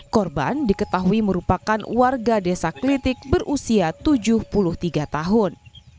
korban diketahui merupakan warga desa klitik berusia tujuh puluh tiga tahun